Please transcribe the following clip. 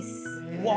うわ！